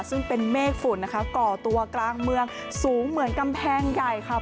ซึ่งเป็นเมฆฝุ่นนะคะก่อตัวกลางเมืองสูงเหมือนกำแพงใหญ่ค่ะ